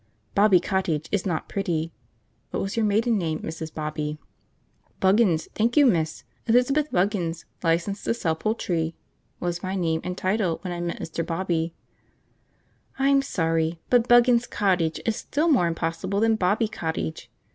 'Bobby Cottage' is not pretty. What was your maiden name, Mrs. Bobby?" "Buggins, thank you, miss. 'Elizabeth Buggins, Licensed to sell Poultry,' was my name and title when I met Mr. Bobby." "I'm sorry, but 'Buggins Cottage' is still more impossible than 'Bobby Cottage.'